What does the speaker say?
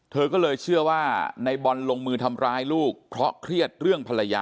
เธอก็เลยเชื่อว่าในบอลลงมือทำร้ายลูกเพราะเครียดเรื่องภรรยา